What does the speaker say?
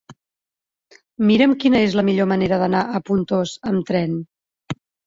Mira'm quina és la millor manera d'anar a Pontós amb tren.